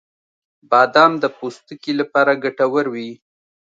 • بادام د پوستکي لپاره ګټور وي.